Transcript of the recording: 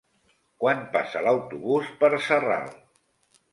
Quan passa l'autobús per Sarral?